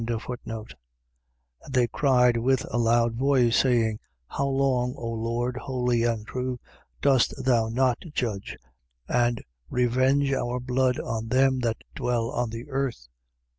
And they cried with a loud voice, saying: How long, O Lord (Holy and True), dost thou not judge and revenge our blood on them that dwell on the earth?